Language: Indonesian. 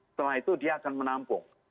setelah itu dia akan menampung